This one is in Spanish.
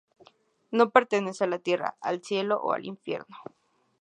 No pertenece a la tierra, al cielo o al infierno.